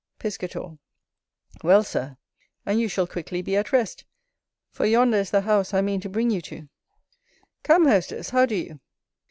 Piscator. Well, Sir, and you shall quickly be at rest, for yonder is the house I mean to bring you to. Come, hostess, how do you?